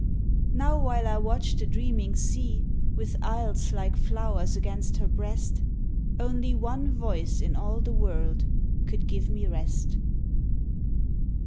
Now while I watch the dreaming sea With isles like flowers against her breast, Only one voice in all the world Could give me rest.